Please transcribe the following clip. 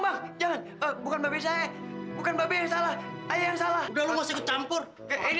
eru tuha eran loh mau ngapain oh kok kenapa ilah sayang lo banget brown itu dapetnya yang sk yang b badge berhubung dengan pendidikan ini